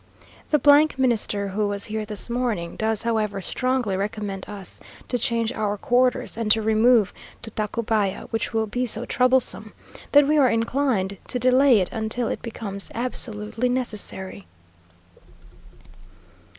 The Minister, who was here this morning, does, however, strongly recommend us to change our quarters, and to remove to Tacubaya; which will be so troublesome, that we are inclined to delay it until it becomes absolutely necessary....